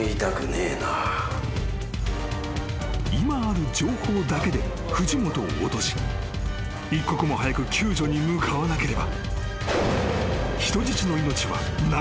［今ある情報だけで藤本を落とし一刻も早く救助に向かわなければ］